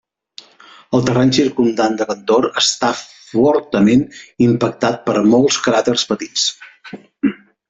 El terreny circumdant de Cantor està fortament impactat per molts cràters petits.